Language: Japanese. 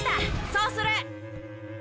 そうする。